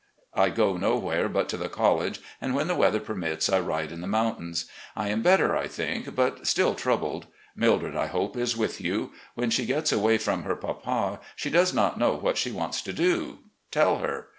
I go nowhere but to the college, and when the weather permits I ride in the mountains. I am better, I think, but still troubled. Mildred, I hope, is with you. When she gets away from her papa, she does not know what she wants to do, tell her.